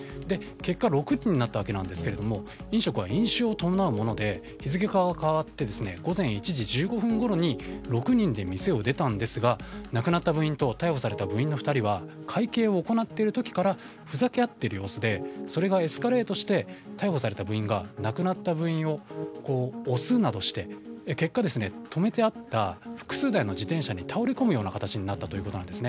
結果、６人になったわけですが飲食は飲酒を伴うもので日付が変わって午前１時１５分ごろに６人で店を出たんですが亡くなった部員と逮捕された部員の２人は会計を行っている時からふざけ合っている様子でそれがエスカレートして逮捕された部員が亡くなった部員を押すなどして結果、止めてあった複数台の自転車に倒れこむ形になったということです。